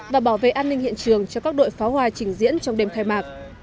và bảo vệ an ninh hiện trường cho các đội pháo hoa trình diễn trong đêm khai mạc